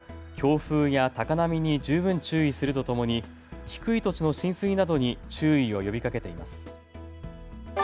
気象庁は強風や高波に十分注意するとともに低い土地の浸水などに注意を呼びかけています。